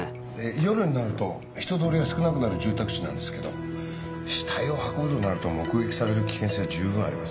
夜になると人通りが少なくなる住宅地なんですけど死体を運ぶとなると目撃される危険性は十分あります。